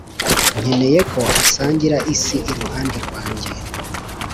nkeneye ko asangira isi iruhande rwanjye